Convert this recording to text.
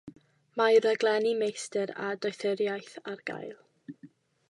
Mae rhaglenni meistr a doethuriaeth ar gael.